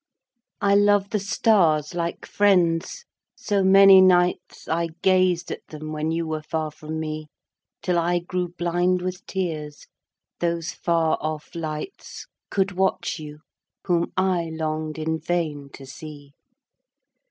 I love the Stars like friends; so many nights I gazed at them, when you were far from me, Till I grew blind with tears ... those far off lights Could watch you, whom I longed in vain to see.